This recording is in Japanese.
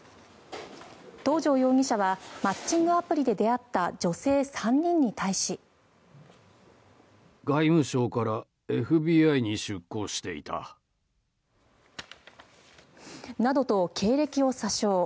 東條容疑者はマッチングアプリで出会った女性３人に対し。などと経歴を詐称。